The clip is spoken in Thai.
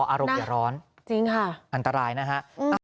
อารมณ์อย่าร้อนอันตรายนะฮะ